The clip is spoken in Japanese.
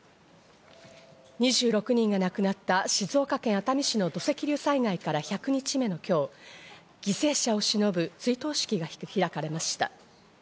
２６人が亡くなった静岡県熱海市の土石流災害から１００日目の今日、犠牲者をしのぶ追悼式が開かれました。